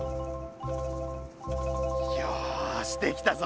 よしできたぞ！